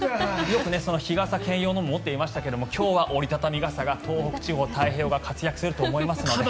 よく日傘兼用のものを持っていましたが今日は折り畳み傘が東北地方太平洋側活躍すると思うので。